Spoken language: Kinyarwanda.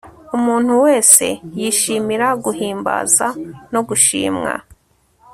umuntu wese yishimira guhimbaza no gushimwa